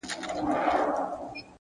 هره هڅه د راتلونکي برخه جوړوي,